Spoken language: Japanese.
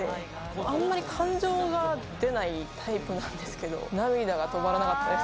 あんまり感情が出ないタイプなんですけど、涙が止まらなかったです。